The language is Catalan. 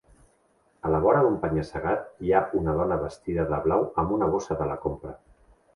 A la vora d'un penya-segat, hi ha una dona vestida de blau amb una bossa de la compra.